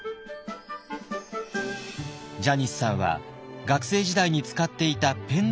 ジャニスさんは学生時代に使っていたペンネームが